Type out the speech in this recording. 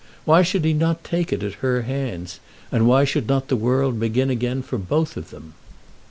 Why should he not take it at her hands, and why should not the world begin again for both of them?